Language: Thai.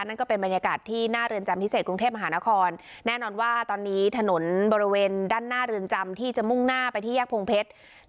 นั่นก็เป็นบรรยากาศที่หน้าเรือนจำพิเศษกรุงเทพมหานครแน่นอนว่าตอนนี้ถนนบริเวณด้านหน้าเรือนจำที่จะมุ่งหน้าไปที่แยกพงเพชร